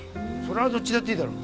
それはどっちだっていいだろ。